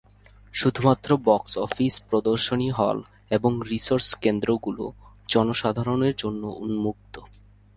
শুধুমাত্র box office, প্রদর্শনী hall এবং রিসোর্স কেন্দ্র গুলো জনসাধারণের জন্য উন্মুক্ত।